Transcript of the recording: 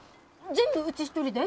全部うち一人で？